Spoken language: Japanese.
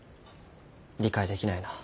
理解できないな。